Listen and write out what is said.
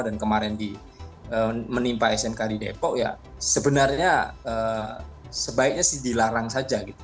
dan kemarin menimpa smk di depok ya sebenarnya sebaiknya sih dilarang saja